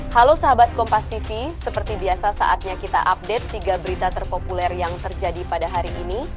halo sahabat kompas tv seperti biasa saatnya kita update tiga berita terpopuler yang terjadi pada hari ini